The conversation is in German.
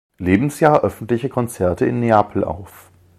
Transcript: Lebensjahr öffentliche Konzerte in Neapel auf.